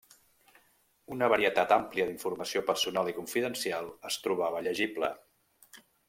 Una varietat àmplia d'informació personal i confidencial es trobava llegible.